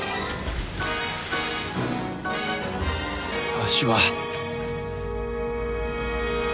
わしは。